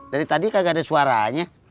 dari tadi kagak ada suaranya